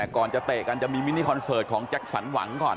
ก่อนจะเตะกันจะมีข้อความหวังจักสันหวังก็ค่อน